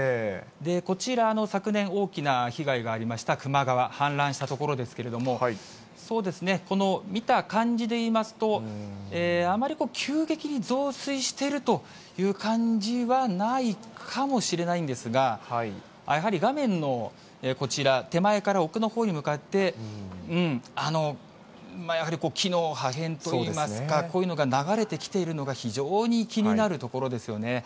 こちら、昨年、大きな被害がありました球磨川、氾濫した所ですけれども、そうですね、この見た感じでいいますと、あまり急激に増水しているという感じはないかもしれないんですが、やはり画面の、こちら手前から奥のほうに向かって、やはり木の破片といいますか、こういうのが流れてきているのが非常に気になるところですよね。